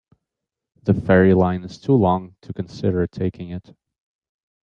The ferry line is too long to consider taking it.